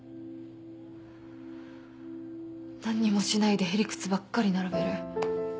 何にもしないでへりくつばっかり並べる。